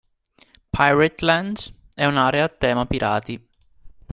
Pirate Land è un'area a tema pirati.